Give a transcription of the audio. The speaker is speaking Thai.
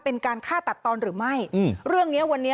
เป็นการฆ่าตัดตอนหรือไม่อืมเรื่องเนี้ยวันนี้